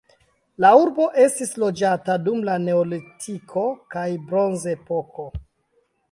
La urbo estis loĝata dum la neolitiko kaj bronzepoko.